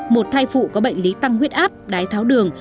một thai phụ có bệnh lý tăng huyết áp đái tháo đường